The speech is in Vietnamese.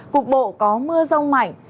cục bộ có mưa rông mạnh